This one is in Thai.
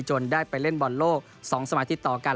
ได้ไปเล่นบอลโลก๒สมาธิต่อกัน